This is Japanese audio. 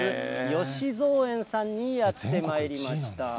芳蔵園さんにやってまいりました。